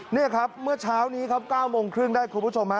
นี่ครับเมื่อเช้านี้ครับ๙โมงครึ่งได้คุณผู้ชมฮะ